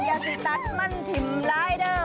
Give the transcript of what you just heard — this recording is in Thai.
อย่าซีตัสมั่นทิมรายเดอร์